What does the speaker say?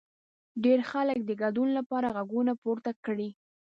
ډېر خلک د ګډون لپاره غږونه پورته کړي.